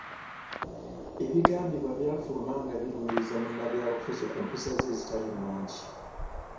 Ebigambibwa byafuluma nga birumiriza munnabyabufuzi ku mpisa ze ezitali nnungi.